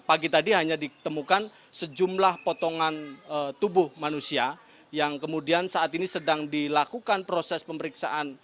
pagi tadi hanya ditemukan sejumlah potongan tubuh manusia yang kemudian saat ini sedang dilakukan proses pemeriksaan